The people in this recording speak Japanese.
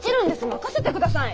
任せてください！